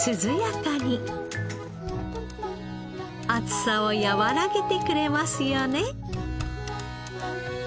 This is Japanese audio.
暑さを和らげてくれますよね。